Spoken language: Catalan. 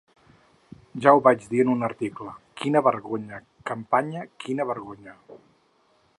Ja ho vaig dir en un article: ‘quina vergonya, campanya, quina vergonya’.